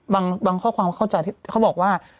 บางข้อความเข้าใจเขาบอกว่า